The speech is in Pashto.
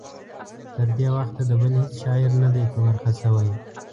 تر دې وخته د بل هیڅ شاعر نه دی په برخه شوی.